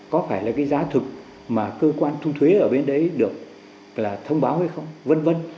có phải là cái giá thực mà cơ quan thu thuế ở bên đấy được là thông báo hay không v v